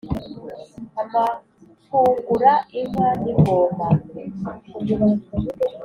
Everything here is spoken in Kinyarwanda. amuhungura inka n’ingoma,